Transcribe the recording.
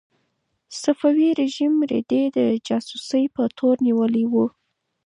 صفوي رژیم رېدی د جاسوسۍ په تور نیولی و.